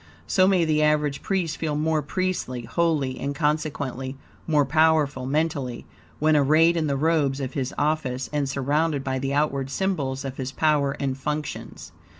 So may the average priest feel more priestly, holy; and consequently, more powerful mentally; when arrayed in the robes of his office and surrounded by the outward symbols of his power and functions.